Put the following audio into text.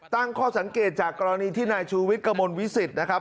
ตั้งข้อสังเกตจากกรณีที่นายชูวิทย์กระมวลวิสิตนะครับ